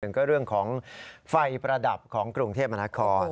ก็เรื่องของไฟประดับของกรุงเทพมนาคม